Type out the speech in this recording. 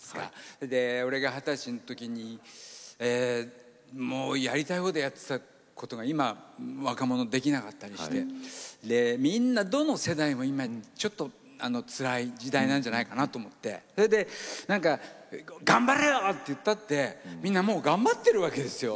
それで、俺が二十歳のときにもうやりたい放題やってたことが今の若者、できなかったりしてみんな、どの世代も今、ちょっと、つらい時代なんじゃないかなと思ってそれで頑張れよって言ったってみんな頑張ってるわけですよ。